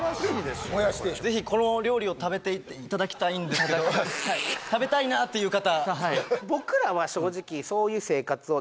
ぜひこの料理を食べていただきたいんですけど食べたいなっていう方？